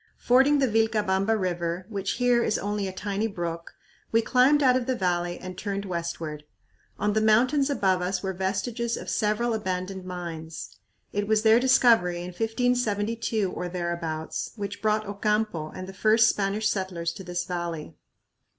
Fording the Vilcabamba River, which here is only a tiny brook, we climbed out of the valley and turned westward. On the mountains above us were vestiges of several abandoned mines. It was their discovery in 1572 or thereabouts which brought Ocampo and the first Spanish settlers to this valley.